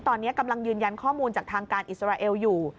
ตอนนี้กำลังยืนยันข้อมูลจากทางการอิสราเอลอยู่